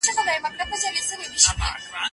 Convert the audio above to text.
سالم ذهن وخت نه دروي.